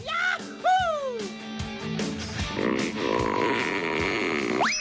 ย้าหู้